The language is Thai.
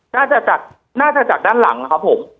น่าจะจากด้านหลังครับผม